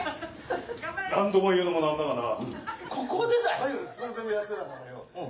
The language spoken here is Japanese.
何度も言うのも何だがな。